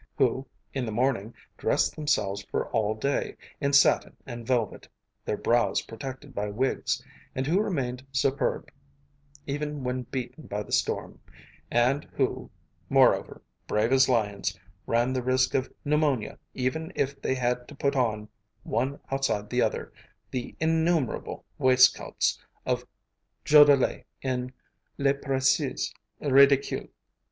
who in the morning dressed themselves for all day, in satin and velvet, their brows protected by wigs, and who remained superb even when beaten by the storm, and who, moreover, brave as lions, ran the risk of pneumonia even if they had to put on, one outside the other, the innumerable waistcoats of Jodelet in 'Les Précieuses Ridicules'!